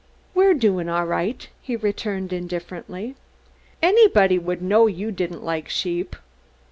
"We're doing all right," he returned, indifferently. "Anybody would know you didn't like sheep."